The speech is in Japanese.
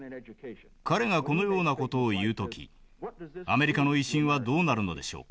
彼がこのような事を言う時アメリカの威信はどうなるのでしょうか。